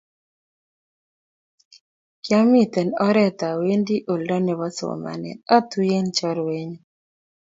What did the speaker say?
Kiamito oret awendi oldo nebo somanet atuyiechi chorwenyu